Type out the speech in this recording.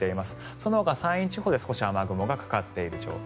そのほか山陰地方で少し雨雲がかかっている状況。